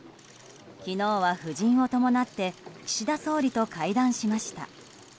昨日は夫人を伴って岸田総理と会談しました。